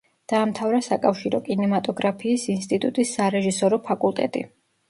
დაამთავრა საკავშირო კინემატოგრაფიის ინსტიტუტის სარეჟისორო ფაკულტეტი.